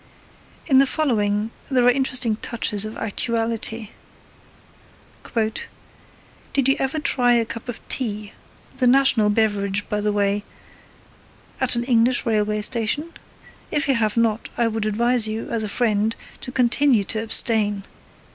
In the following there are interesting touches of actuality: Did you ever try a cup of tea (the national beverage, by the way) at an English railway station? If you have not, I would advise you, as a friend, to continue to abstain!